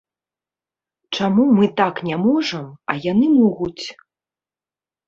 Чаму мы так не можам, а яны могуць?